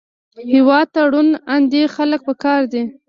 هېواد ته روڼ اندي خلک پکار دي